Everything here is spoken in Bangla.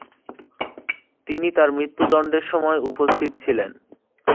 তিনি তার মৃত্যুদণ্ডের সময় উপস্থিত ছিলেন।